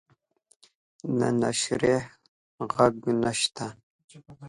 د نشریح ږغ نشته